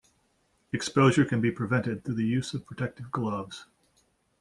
Exposure can be prevented through the use of protective gloves.